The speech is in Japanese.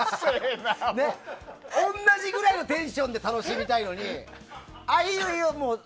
同じぐらいのテンションで楽しみたいのにああ、いいよいいよ。